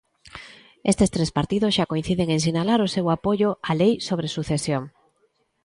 Estes tres partidos xa coinciden en sinalar o seu apoio á lei sobre sucesión.